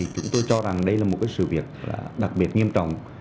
chúng tôi cho rằng đây là một sự việc đặc biệt nghiêm trọng